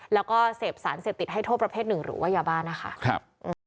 แล้วก็เสพสารเสพติดให้โทษประเภทหนึ่งหรือว่ายาบ้านนะคะ